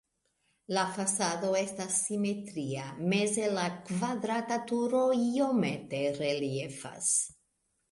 La fasado estas simetria, meze la kvadrata turo iomete reliefas.